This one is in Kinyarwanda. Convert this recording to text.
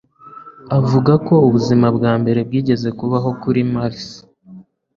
Avuga ko ubuzima bwa mbere bwigeze kubaho kuri Mars